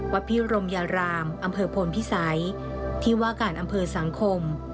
พิรมยารามอำเภอโพนพิสัยที่ว่าการอำเภอสังคม